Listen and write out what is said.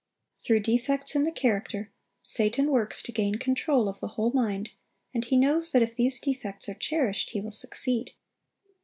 Through defects in the character, Satan works to gain control of the whole mind, and he knows that if these defects are cherished, he will succeed.